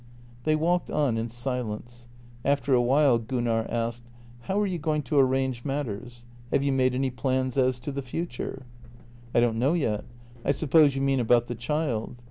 They walked on in silence. After a while Gunnar asked: "How are you going to arrange matters? Have you made any plans as to the future? "" I don't know yet. I suppose you mean about the child?